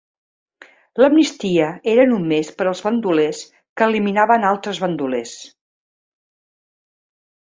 L'amnistia era només per als bandolers que eliminaven altres bandolers.